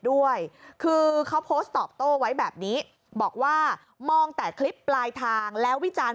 ด้วยคือเขาโพสต์ตอบโต้ไว้แบบนี้บอกว่ามองแต่คลิปปลายทางแล้ววิจารณ์